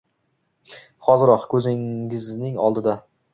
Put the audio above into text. Hoziroq, koʻzingizning oldida!